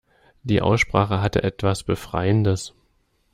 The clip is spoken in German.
Die Aussprache hatte etwas Befreiendes.